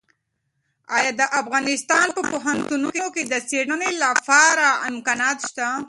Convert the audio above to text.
ایا د افغانستان په پوهنتونونو کې د څېړنې لپاره امکانات شته؟